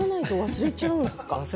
忘れちゃうんですよ。